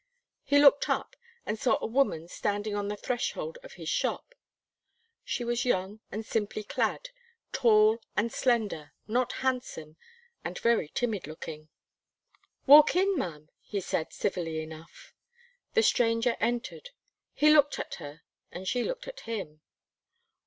He looked up, and saw a woman standing on the threshold of his shop. She was young and simply clad, tall and slender, not handsome, and very timid looking. "Walk in ma'am," he said, civilly enough. The stranger entered; he looked at her, and she looked at him.